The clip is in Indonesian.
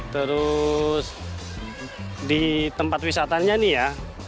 terus di tempat wisatanya nih ya